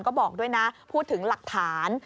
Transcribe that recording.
ก็บอกด้วยนะพูดถึงหลักฐาน